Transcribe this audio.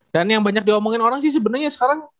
dan yang banyak diomongin orang sih sebenernya sekarang